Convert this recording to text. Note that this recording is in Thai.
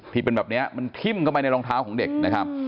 ที่เป็นแบบนี้มันทิ้มเข้าไปในรองเท้าของเด็กนะครับ